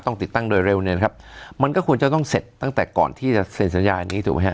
ติดตั้งโดยเร็วเนี่ยนะครับมันก็ควรจะต้องเสร็จตั้งแต่ก่อนที่จะเซ็นสัญญานี้ถูกไหมฮะ